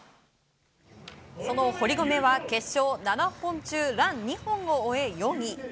その堀米は決勝７本中ラン２本を終え４位。